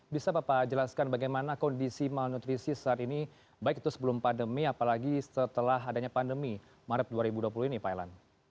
bisa bapak jelaskan bagaimana kondisi malnutrisi saat ini baik itu sebelum pandemi apalagi setelah adanya pandemi maret dua ribu dua puluh ini pak elan